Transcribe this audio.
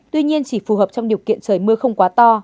tuy nhiên chỉ phù hợp trong điều kiện trời mưa không quá to